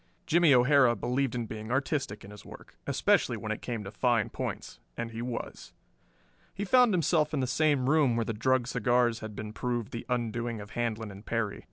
Jimmie O'Hara believed in being artistic in his work, especially when it came to fine points, and he was. He found himself in the same room where the drugged cigars had been proved the undoing of Handlon and Perry.